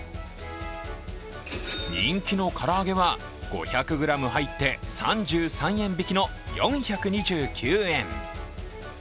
人気の唐揚げは５００ｇ入って３３円引きの４２９円。